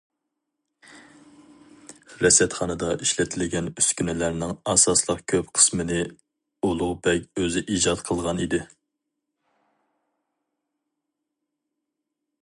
رەسەتخانىدا ئىشلىتىلگەن ئۈسكۈنىلەرنىڭ ئاساسلىق كۆپ قىسمىنى ئۇلۇغبەگ ئۆزى ئىجاد قىلغان ئىدى.